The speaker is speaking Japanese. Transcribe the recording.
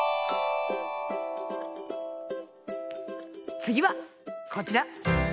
つぎはこちら！